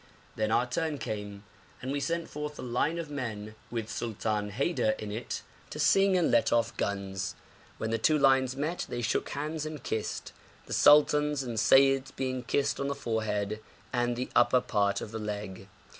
Then our turn came, and we sent forth a line of men with Sultan Haidar in it to sing and let off guns. When the two lines met they shook hands and kissed, the sultans and seyyids being kissed on the forehead and the upper part of the leg.